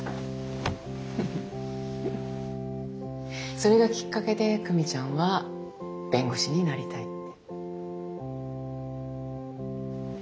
それがきっかけで久美ちゃんは弁護士になりたいって。